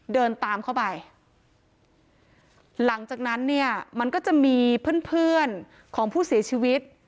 เดินตามเข้าไปหลังจากนั้นเนี่ยมันก็จะมีเพื่อนเพื่อนของผู้เสียชีวิต